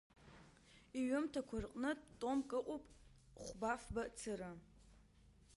Иҩымҭақәа рҟнытә томк ыҟоуп хәба-фба цыра.